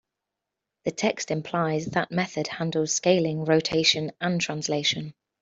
The text implies that method handles scaling, rotation, and translation.